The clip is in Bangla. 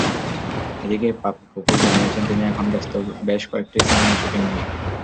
এদিকে, পপি জানিয়েছেন, তিনি এখন ব্যস্ত বেশ কয়েকটি সিনেমার শুটিং নিয়ে।